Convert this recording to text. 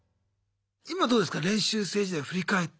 今どうですか練習生時代振り返って。